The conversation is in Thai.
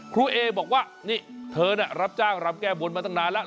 เอบอกว่านี่เธอรับจ้างรำแก้บนมาตั้งนานแล้ว